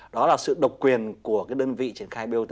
đó là sự độc quyền của cái đơn vị triển khai bot